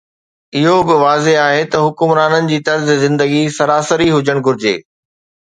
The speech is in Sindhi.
اهو به واضح آهي ته حڪمرانن جي طرز زندگي سراسري هجڻ گهرجي.